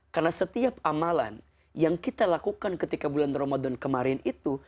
karena setiap amalan yang kita lakukan ketika bulan ramadan kemarin itu